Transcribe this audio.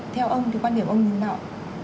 theo ông thì quan điểm ông như thế nào